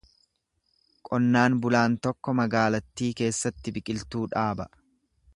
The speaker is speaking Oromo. Qonnaan bulaan tokko magaalattii keessatti biqiltuu dhaaba.